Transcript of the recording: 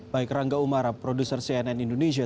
baik rangga umara produser cnn indonesia